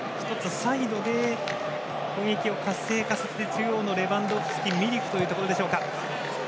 サイドで攻撃を活性化させ中央のレバンドフスキミリクというところでしょうか。